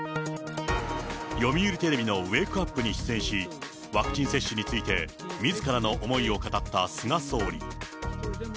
読売テレビのウェークアップに出演し、ワクチン接種について、みずからの思いを語った菅総理。